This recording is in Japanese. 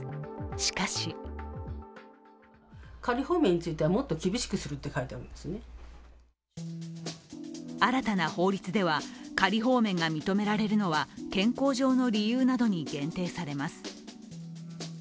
しかし新たな法律では、仮放免が認められるのは健康上の理由などに限定されます。